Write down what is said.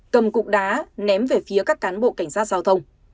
cầm cục đá ném về phía các cán bộ cảnh sát giao thông